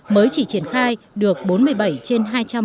mới chỉ triển khai được bốn mươi bảy trên hai trăm bốn mươi năm